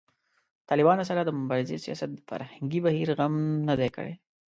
د طالبانو سره د مبارزې سیاست د فرهنګي بهیر غم نه دی کړی